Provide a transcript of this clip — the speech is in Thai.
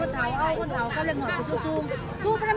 ตอนต่อไป